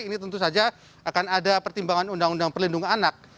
ini tentu saja akan ada pertimbangan undang undang perlindungan anak